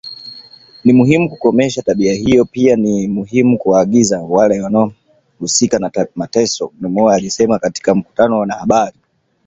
"Ni muhimu kukomesha tabia hiyo pia ni muhimu kuwaangazia wale ambao wamehusika na mateso", Gilmore alisema katika mkutano na wanahabari